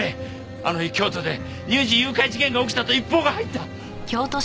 あの日京都で乳児誘拐事件が起きたと一報が入った。